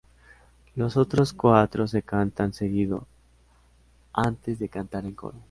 Los otros cuatro se cantan seguidos antes de cantar el coro.